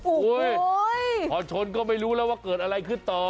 พอชนก็ไม่รู้แล้วว่าเกิดอะไรขึ้นต่อ